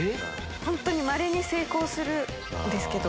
本当にまれに成功するんですけど。